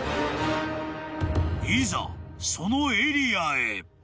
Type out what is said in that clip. ［いざそのエリアへ］